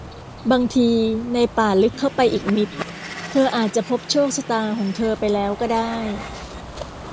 บางที ในป่าลึกเข้าไปอีกนิด เธออาจจะพบโชคชะตาของเธอไปแล้วก็ได้